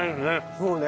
そうね。